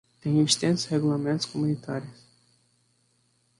Tem extensos regulamentos comunitários.